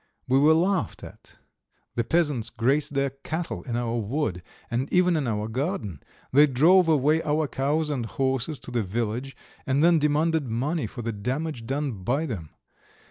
We were laughed at. The peasants grazed their cattle in our wood and even in our garden; they drove away our cows and horses to the village, and then demanded money for the damage done by them.